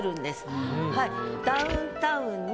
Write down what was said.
「ダウンタウンに」